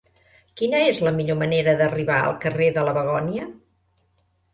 Quina és la millor manera d'arribar al carrer de la Begònia?